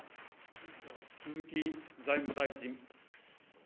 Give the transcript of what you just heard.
鈴木財務大臣。